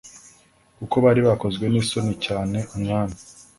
kuko bari bakozwe n isoni cyane Umwami